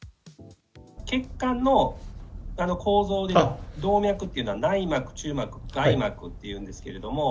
血管の構造、動脈というのは内膜、中膜、外膜というんですけど。